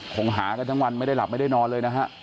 คงหากันทั้งวันไม่ได้หลับไม่ได้นอนเลยนะฮะ